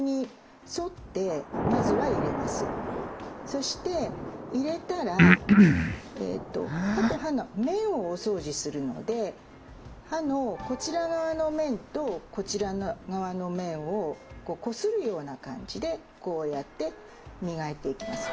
そして入れたら歯と歯の面をお掃除するので歯のこちら側の面とこちら側の面をこするような感じでこうやって磨いていきます。